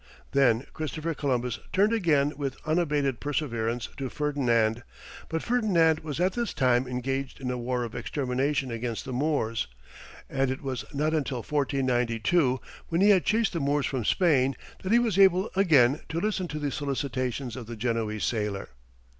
Then Christopher Columbus turned again with unabated perseverance to Ferdinand, but Ferdinand was at this time engaged in a war of extermination against the Moors, and it was not until 1492, when he had chased the Moors from Spain, that he was able again to listen to the solicitations of the Genoese sailor.